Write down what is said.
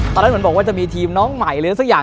ตอนนั้นเหมือนบอกว่าจะมีทีมน้องใหม่หรือสักอย่าง